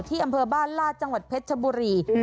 ที่อำเภอบ้านลาดจังหวัดเพชรชะบันดาลนี่